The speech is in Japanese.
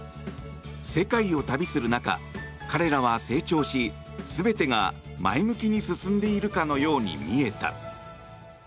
世界を旅する中、彼らは成長し全てが前向きに進んでいるかのように見えた。